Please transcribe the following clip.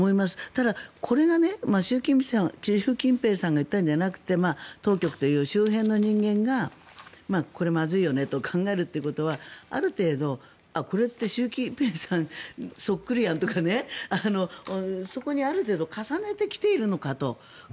ただ、これが習近平さんが言ったんじゃなくて当局という周辺の人間がこれ、まずいよねと考えるというのはある程度、これって習近平さんそっくりやんとかそこにある程度重ねてきているのかと。